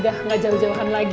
udah gak jauh jauhan lagi